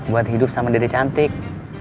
buat hidup sama dede cantik